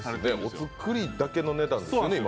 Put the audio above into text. お造りだけの値段ですよね。